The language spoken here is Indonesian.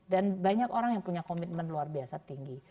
dan banyak orang yang punya komitmen luar biasa tinggi